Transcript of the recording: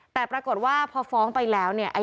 แต่ปรากฏว่าพอฟ้องไปแล้วเนี่ย